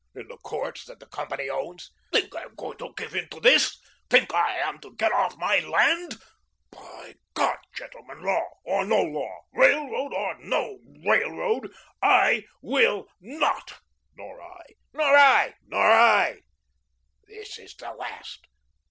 In the courts that the company owns?" "Think I am going to give in to this? Think I am to get off my land? By God, gentlemen, law or no law, railroad or no railroad, I WILL NOT." "Nor I." "Nor I." "Nor I." "This is the last.